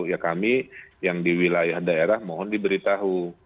ya kami yang di wilayah daerah mohon diberitahu